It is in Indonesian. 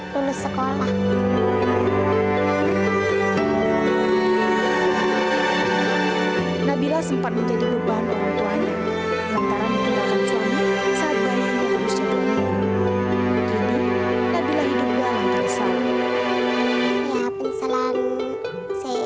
lulus sekolah nabila sempat menjadi lubang orang tuanya